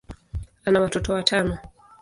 ana watoto watano.